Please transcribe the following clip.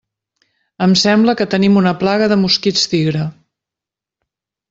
Em sembla que tenim una plaga de mosquits tigre.